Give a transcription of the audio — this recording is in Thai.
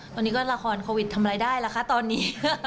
ตอนนี้ก็ละครโควิดทำอะไรได้ล่ะคะตอนนี้